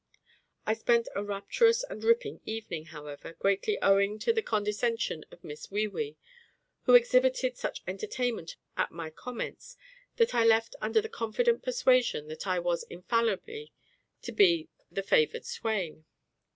I spent a rapturous and ripping evening, however, greatly owing to the condescension of Miss WEE WEE, who exhibited such entertainment at my comments that I left under the confident persuasion that I was infallibly to be the favoured swain.